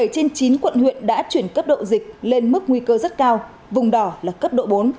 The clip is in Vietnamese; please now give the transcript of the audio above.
bảy trên chín quận huyện đã chuyển cấp độ dịch lên mức nguy cơ rất cao vùng đỏ là cấp độ bốn